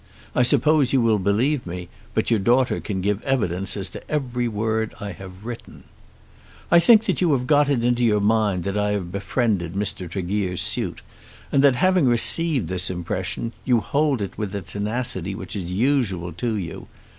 I suppose you will believe me, but your daughter can give evidence as to every word that I have written. I think that you have got it into your mind that I have befriended Mr. Tregear's suit, and that, having received this impression, you hold it with the tenacity which is usual to you.